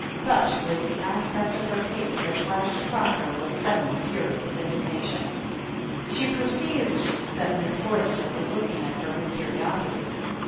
Such was the aspect of her case that flashed across her with sudden, furious indignation. She perceived that Miss Forster was looking at her with curiosity.